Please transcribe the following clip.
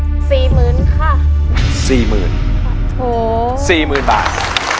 สี่หมื่นค่ะสี่หมื่นค่ะโถสี่หมื่นบาท